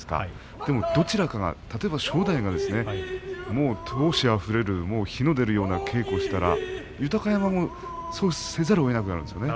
でもどちらかが、例えば正代がですね闘志あふれる火の出るような稽古をしたら豊山もそうせざるをえなくなるんですね。